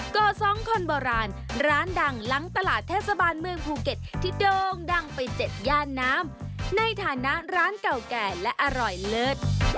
ก่อสร้างคนโบราณร้านดังหลังตลาดเทศบาลเมืองภูเก็ตที่โด่งดังไป๗ย่านน้ำในฐานะร้านเก่าแก่และอร่อยเลิศ